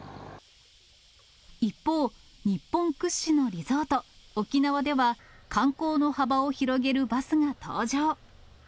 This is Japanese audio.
一方、日本屈指のリゾート、沖縄では、観光の幅を広げるバスが登場。